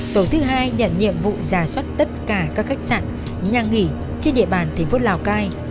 tổ thứ hai nhận nhiệm vụ giả soát tất cả các khách sạn nhà nghỉ trên địa bàn thành phố lào cai